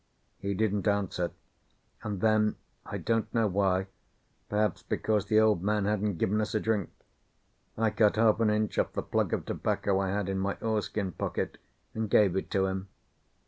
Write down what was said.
He didn't answer, and then, I don't know why, perhaps because the Old Man hadn't given us a drink, I cut half an inch off the plug of tobacco I had in my oilskin pocket, and gave it to him.